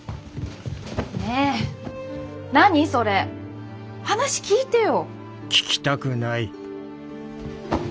ねえ何それ！話聞いてよ。